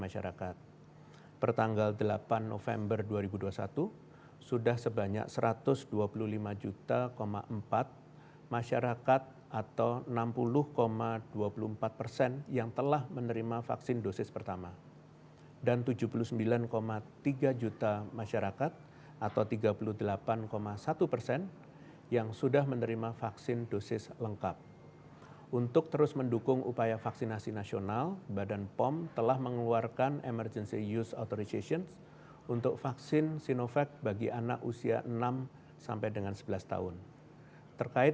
selama lima hari